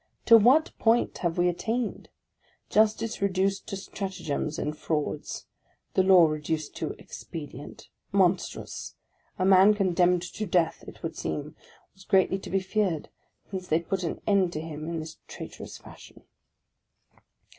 To what point have we attained? Justice reduced to stratagems and frauds ! The law reduced to expedient ! Monstrous ! A man condemned to death, it would seem, was greatly to be feared, since they put an end to him in this traitorous fash ion!